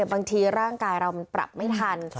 บางทีร่างกายเรามันปรับไม่ทัน